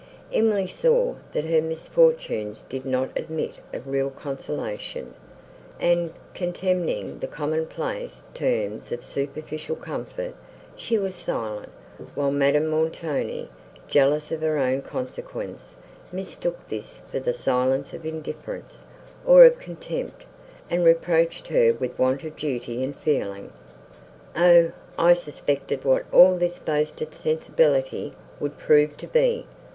Emily saw, that her misfortunes did not admit of real consolation, and, contemning the commonplace terms of superficial comfort, she was silent; while Madame Montoni, jealous of her own consequence, mistook this for the silence of indifference, or of contempt, and reproached her with want of duty and feeling. "O! I suspected what all this boasted sensibility would prove to be!"